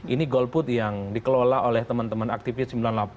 ini golput yang dikelola oleh teman teman aktivis sembilan puluh delapan